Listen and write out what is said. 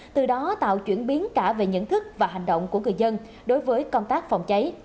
từ đó tạo chuyển biến cả về nhận thức và hành động của người dân đối với công tác phòng cháy